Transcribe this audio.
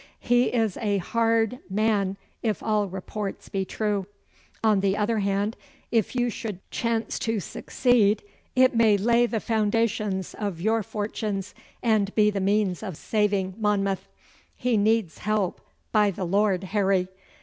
He is a hard man if all reports be true. On the other hand, if you should chance to succeed it may lay the foundations of your fortunes and be the means of saving Monmouth. He needs help, by the Lord Harry!